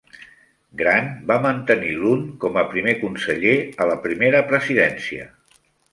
Grant va mantenir Lund com a primer conseller a la Primera Presidència.